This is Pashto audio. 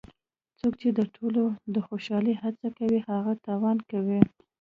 څوک چې د ټولو د خوشحالولو هڅه کوي هغه تاوان کوي.